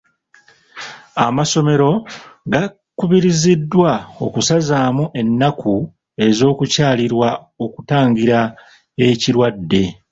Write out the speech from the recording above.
Amasomero gakubiriziddwa okusazaamu ennaku z'okukyalirwa okutangira ekirwadde.